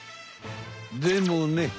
でもね